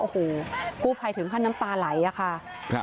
โอ้โหกูภัยถึงแค่น้ำตาไหลค่ะ